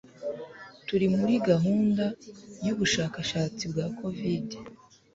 turi muri gahunda y’ubushakashatsi bwa Covid